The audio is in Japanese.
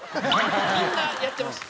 みんなやってました。